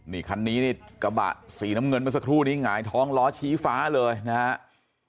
นี่คันนี้นี่กระบะสีน้ำเงินเมื่อสักครู่นี้หงายท้องล้อชี้ฟ้าเลยนะครับ